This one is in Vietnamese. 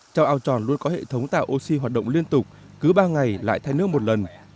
trong ao tròn luôn có hệ thống tạo oxy hoạt động liên tục cứ ba ngày lại thay nước một lần